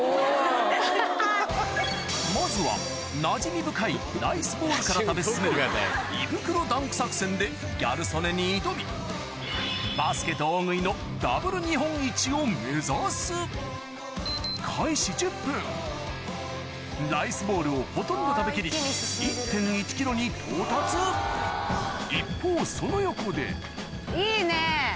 まずはなじみ深いライスボールから食べ進める胃袋ダンク作戦でギャル曽根に挑みを目指すライスボールをほとんど食べ切りに到達一方その横でいいね！